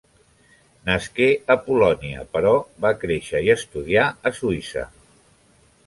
Nasqué a Polònia però va créixer i estudià a Suïssa.